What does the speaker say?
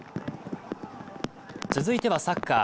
続いてはサッカー。